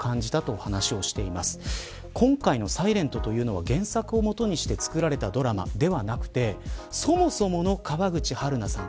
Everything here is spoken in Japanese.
今回のｓｉｌｅｎｔというのは原作を基にして作られたドラマではなくそもそもの川口春奈さん